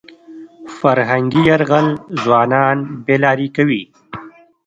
فرهنګي یرغل ځوانان بې لارې کوي.